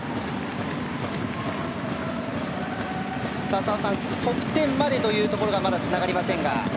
澤さん、得点までというところがまだつながりませんが。